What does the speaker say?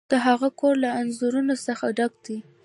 د هغه کور له انځورونو څخه ډک دی.